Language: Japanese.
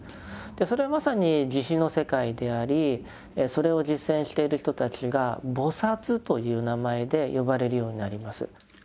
それはまさに慈悲の世界でありそれを実践している人たちが「菩」という名前で呼ばれるようになります。